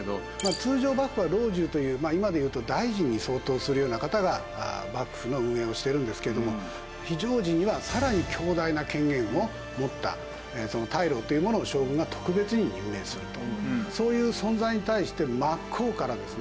通常幕府は老中という今で言うと大臣に相当するような方が幕府の運営をしているんですけども非常時にはさらに強大な権限を持った大老というものを将軍が特別に任命すると。